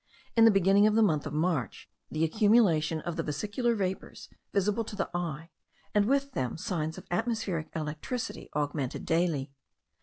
In the beginning of the month of March the accumulation of the vesicular vapours, visible to the eye, and with them signs of atmospheric electricity, augmented daily.